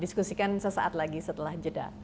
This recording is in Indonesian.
diskusikan sesaat lagi setelah jeda